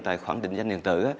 tài khoản định danh điện tử